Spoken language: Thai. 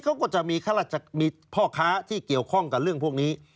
เขาก็จะมีพ่อค้าที่เกี่ยวข้องกับเรื่องพวกนี้